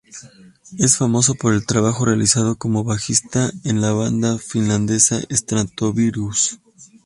Es famoso por el trabajo realizado como bajista en la banda finlandesa "Stratovarius".